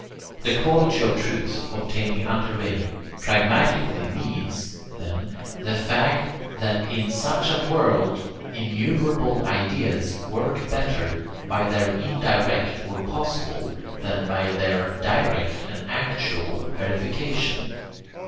The quality of truth, obtaining ante rem, pragmatically means, then, the fact that in such a world innumerable ideas work better by their indirect or possible than by their direct and actual verification.